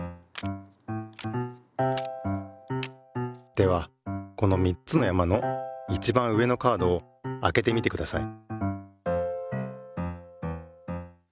ではこの３つの山のいちばん上のカードをあけてみてください。